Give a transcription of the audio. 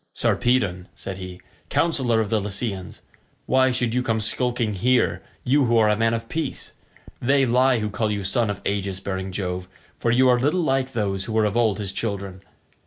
"Sarpedon," said he, "councillor of the Lycians, why should you come skulking here you who are a man of peace? They lie who call you son of aegis bearing Jove, for you are little like those who were of old his children.